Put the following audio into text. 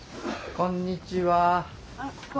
こんにちは。